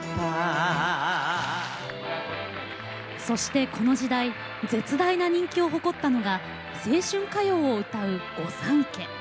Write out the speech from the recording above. そして、この時代絶大な人気を誇ったのが青春歌謡を歌う御三家。